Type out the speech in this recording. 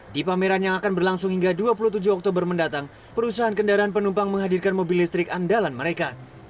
di pameran yang akan berlangsung hingga dua puluh tujuh oktober mendatang perusahaan kendaraan penumpang menghadirkan mobil listrik andalan mereka